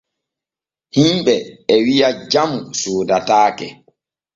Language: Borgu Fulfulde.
Himɓe e wi’a jamu soodataake.